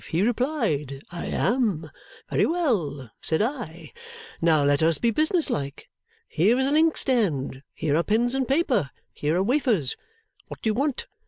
He replied, 'I am,' 'Very well,' said I, 'now let us be business like. Here is an inkstand, here are pens and paper, here are wafers. What do you want?